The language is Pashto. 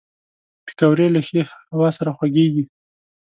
پکورې له ښې هوا سره خوږېږي